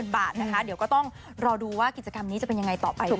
บาทนะคะเดี๋ยวก็ต้องรอดูว่ากิจกรรมนี้จะเป็นยังไงต่อไป